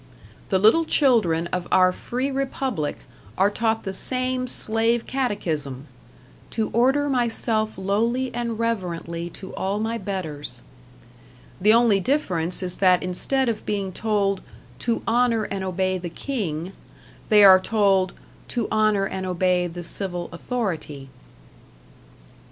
The little children of our free republic are taught the same slave catechism, "to order myself lowly and reverently to all my betters." The only difference is that instead of being told "to honour and obey the King," they are told "to honour and obey the civil authority."